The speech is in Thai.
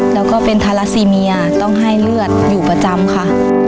แล้วก็เป็นทาราซีเมียต้องให้เลือดอยู่ประจำค่ะ